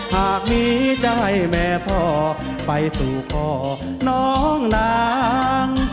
หากมีใจแม่พ่อไปสู่ข้อน้องนาง